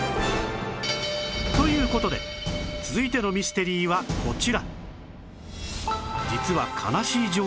という事で続いてのミステリーはこちら